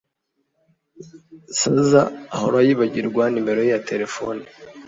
Sazae ahora yibagirwa numero ye ya terefone